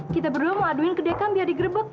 kita berdua mau aduin ke dekan biar digerebek